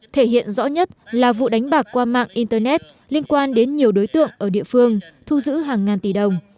thể hiện rõ nhất là vụ đánh bạc qua mạng internet liên quan đến nhiều đối tượng ở địa phương thu giữ hàng ngàn tỷ đồng